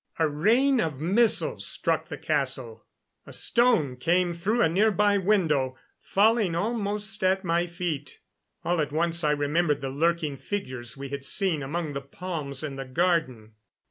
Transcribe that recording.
A rain of missiles struck the castle; a stone came through a near by window, falling almost at my feet. All at once I remembered the lurking figures we had seen among the palms in the garden.